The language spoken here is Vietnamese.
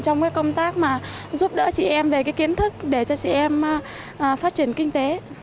trong công tác mà giúp đỡ chị em về cái kiến thức để cho chị em phát triển kinh tế